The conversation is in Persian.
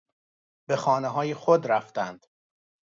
به خانههای خود رفتند.